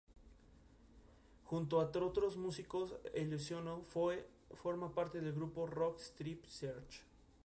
Junto a otros tres músicos, Elizondo forma parte del grupo de rock Strip Search.